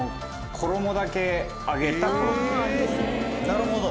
「なるほど！」